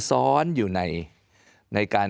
ซ้อนอยู่ในการ